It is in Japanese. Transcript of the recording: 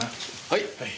はい。